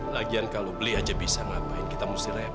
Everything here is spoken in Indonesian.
lagian kalau beli aja bisa ngapain kita mesti rep